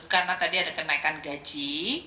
karena tadi ada kenaikan gaji